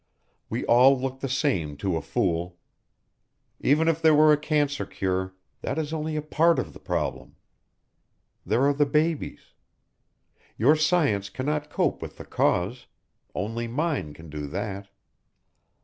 We all look the same to a fool. Even if there were a cancer cure that is only a part of the problem. There are the babies. Your science cannot cope with the cause only mine can do that."